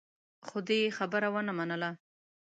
خو دې يې خبره ونه منله.